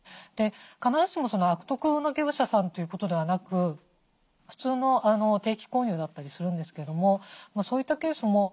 必ずしも悪徳な業者さんということではなく普通の定期購入だったりするんですけどもそういったケースも。